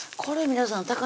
これ皆さん